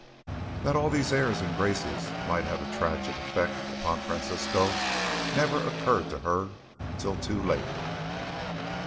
That all these airs and graces might have a tragic effect upon Francisco never occurred to her till too late.